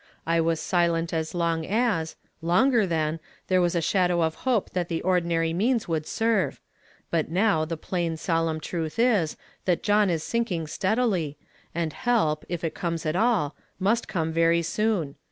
I was silent as long as, longer than, there was a shadow of hope tliat the ordinary means would serve; but now the plain, solemn truth is, that John is sinkuig steadily, and help, if it comes at all, must come very soon.